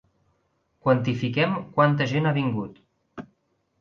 Quantifiquem quanta gent ha vingut.